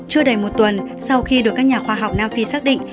chưa đầy một tuần sau khi được các nhà khoa học nam phi xác định